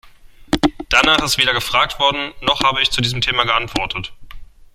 Danach ist weder gefragt worden, noch habe ich zu diesem Thema geantwortet.